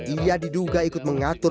ia diduga ikut mengatur